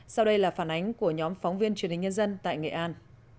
sau đây là phản ánh của nhóm phóng viên truyền hình nhân dân tại nghệ an